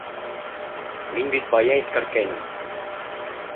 Мин бит бая иҫкәрткәйнем.